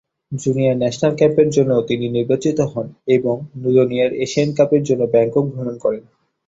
Junior national ক্যাম্পের জন্যও তিনি নির্বাচিত হন এবং জুনিয়র এশিয়া কাপের জন্য ব্যাংকক ভ্রমণ করেন।